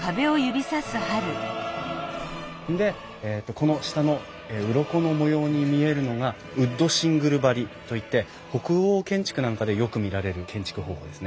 でこの下のうろこの模様に見えるのがウッドシングル張りといって北欧建築なんかでよく見られる建築方法ですね。